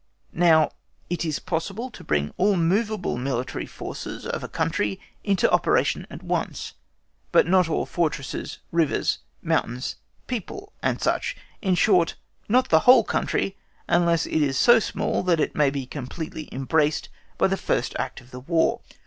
Now, it is possible to bring all the movable military forces of a country into operation at once, but not all fortresses, rivers, mountains, people, &c.—in short, not the whole country, unless it is so small that it may be completely embraced by the first act of the War.